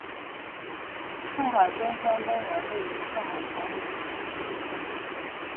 上海中山公园位于上海长宁区市中心。